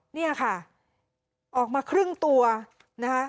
เนี่ยค่ะออกมาครึ่งตัวนะคะ